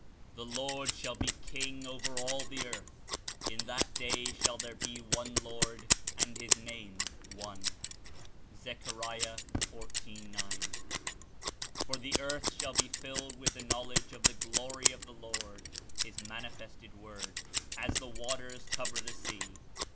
^t!^^^iH° ^'The Lord shall be king over all the earth; in that day shall there he one Lord and his name one.'^ (Zech. 14.9.) ^^For the earth shall he filled with the knowledge of the glory of the Lord (his Manifested Word) as the waters cover the sea!